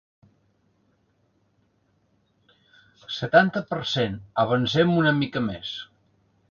Setanta per cent Avancem una mica més.